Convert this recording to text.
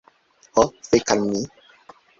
Ho, fek' al mi